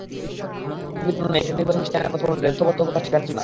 রাজনীতিবিদদের বানানো মেকি নির্বাচনী ইশতেহারের মতো কোনো দ্ব্যর্থবোধকতা সেখানে ছিল না।